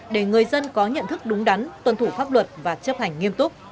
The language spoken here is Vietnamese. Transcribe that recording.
để người dân có nhận thức đúng đắn tuân thủ pháp luật và chấp hành nghiêm túc